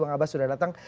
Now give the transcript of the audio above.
bang abbas sudah datang